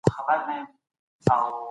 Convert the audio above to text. توشه تياره کړئ.